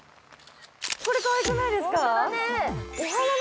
これかわいくないですか。